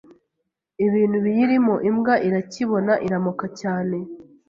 ibintu biyirimo, imbwa irakibona iramoka cyane